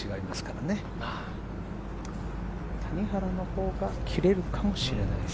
谷原のほうが切れるかもしれない。